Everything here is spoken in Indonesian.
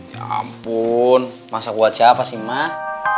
ya ampun masa gua siapa sih mah